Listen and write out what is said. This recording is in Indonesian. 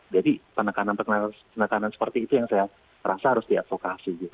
jadi penekanan penekanan seperti itu yang saya rasa harus diavokasi gitu